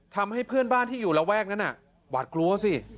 ทำให้เพื่อนบ้านที่อยู่ระแวกนั้นหวาดกลัวสิ